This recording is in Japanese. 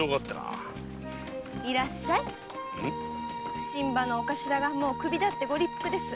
普請場のお頭が「もうクビだ」ってご立腹です。